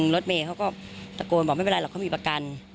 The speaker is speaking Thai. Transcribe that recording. รถเมย์เขาก็ตะโกนบอกไม่เป็นไรหรอกเขามีประกัน